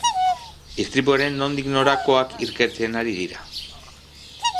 Istripuaren nondik norakoak ikertzen ari dira.